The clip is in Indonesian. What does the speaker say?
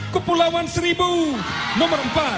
kepulauan seribu nomor empat